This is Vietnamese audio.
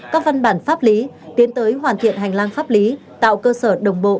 các văn bản pháp lý tiến tới hoàn thiện hành lang pháp lý tạo cơ sở đồng bộ